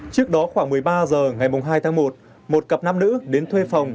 trước đó khoảng một mươi ba h ngày hai tháng một một cặp nam nữ đến thuê phòng